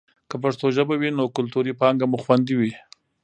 که پښتو ژبه وي نو کلتوري پانګه مو خوندي وي.